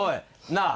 なあ。